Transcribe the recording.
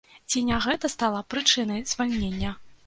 Ці не гэта стала прычынай звальнення?